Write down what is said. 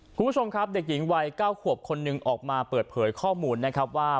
คุณผู้ชมครับเด็กหญิงวัย๙ขวบคนหนึ่งออกมาเปิดเผยข้อมูลนะครับว่า